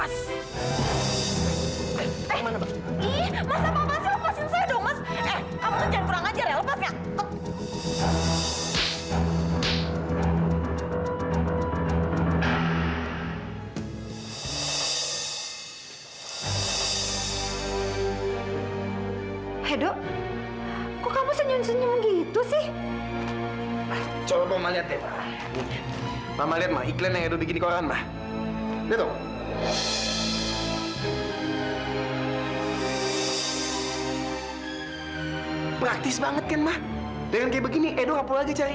tadi waktu taufan sadar taufan memanggil manggil kamila